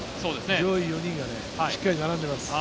上位４人がしっかり並んでます。